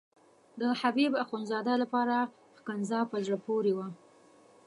د حبیب اخندزاده لپاره ښکنځا په زړه پورې وه.